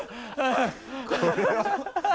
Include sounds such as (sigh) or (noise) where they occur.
これは (laughs)